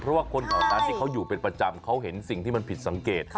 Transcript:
เพราะว่าคนแถวนั้นที่เขาอยู่เป็นประจำเขาเห็นสิ่งที่มันผิดสังเกต